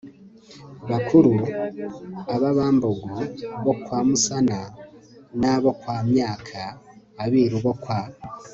bakuru, ab'abambogo bo kwa musana n'abo kwa myaka. abiru bo kwa